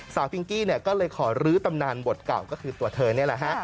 ฟิงกี้ก็เลยขอรื้อตำนานบทเก่าก็คือตัวเธอนี่แหละฮะ